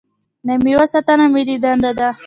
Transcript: د میوو ساتنه ملي دنده ده.